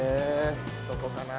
どこかな？